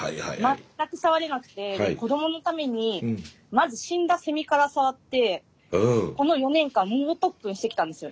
全くさわれなくてで子どものためにまず死んだセミからさわってこの４年間猛特訓してきたんですよ。